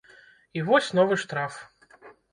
І вось новы штраф.